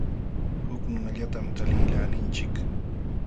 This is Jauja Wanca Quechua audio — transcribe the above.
Huk nunallatam taliqlaalinchik.